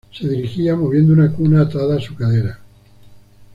Se dirigía moviendo una cuna atada a su cadera.